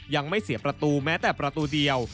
ยังไม่เสียประตูแม้แต่ประตูเดียว